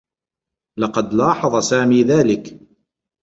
لقد لاحظ سامي ذلك.